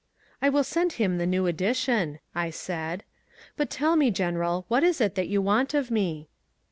"I will send him the new edition," I said. "But tell me, General, what is it that you want of me?"